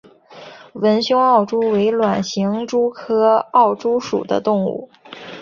纹胸奥蛛为卵形蛛科奥蛛属的动物。